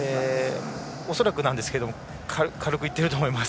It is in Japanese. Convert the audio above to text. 恐らくなんですけども軽くいってると思います。